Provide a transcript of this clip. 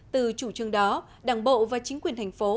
từ chủ trương đó đảng bộ và chính quyền thành phố